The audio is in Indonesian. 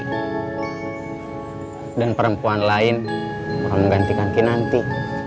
kinanti dan perempuan lain menggantikan kinanti